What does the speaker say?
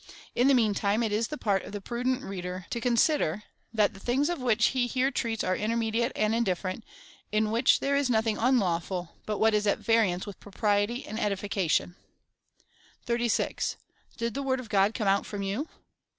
In the meantime, it is the part of the prudent reader to consi der, that the things of which he here treats are intermediate and indiiferent, in which there is nothing unlawful, but what is at variance with propriety and edification. 36. Did the word of God come out from you